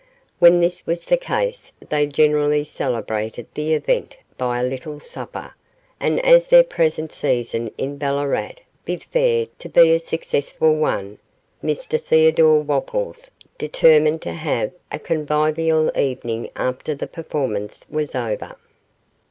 When this was the case they generally celebrated the event by a little supper, and as their present season in Ballarat bid fair to be a successful one, Mr Theodore Wopples determined to have a convivial evening after the performance was over.